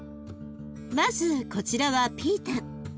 まずこちらはピータン。